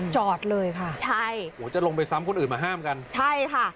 จอดเลยค่ะใช่โหจะลงไปซ้ำคนอื่นมาห้ามกันใช่ค่ะ